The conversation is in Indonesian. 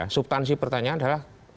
subtansi pertanyaan adalah